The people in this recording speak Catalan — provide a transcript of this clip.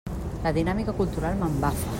La dinàmica cultural m'embafa.